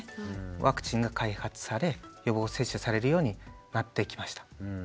ワクチンが開発され予防接種されるようになってきました。